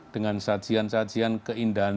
dengan sajian sajian keindahan